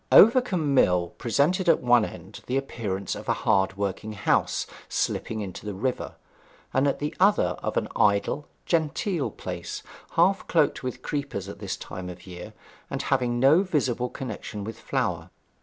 Overcombe Mill presented at one end the appearance of a hard worked house slipping into the river, and at the other of an idle, genteel place, half cloaked with creepers at this time of the year, and having no visible connexion with flour.